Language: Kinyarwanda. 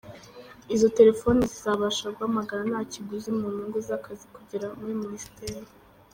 Izo telefoni zizabafasha guhamara nta kiguzi mu nyungu z’akazi kugera muri Minisiteri.